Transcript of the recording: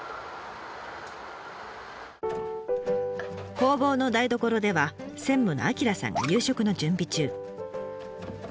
工房の台所では専務の章さんが夕食の準備中。